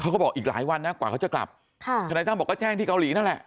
เขาบอกอีกหลายวันนะกว่าเขาจะกลับค่ะทนายตั้มบอกก็แจ้งที่เกาหลีนั่นแหละ